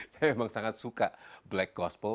saya memang sangat suka black gospel